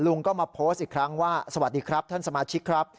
ลุงก็มาโพสต์อีกครั้งว่าสวัสดีครับท่านสมาชิกครับ